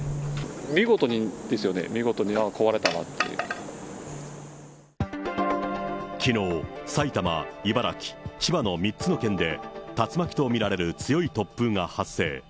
見事にですよね、見事に、きのう、埼玉、茨城、千葉の３つの県で、竜巻と見られる強い突風が発生。